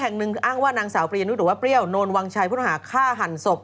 แห่งหนึ่งอ้างว่านางสาวปริยนุฑหรือว่าเปรี้ยวโนลวังชัยพุทธหาค่าหันศพ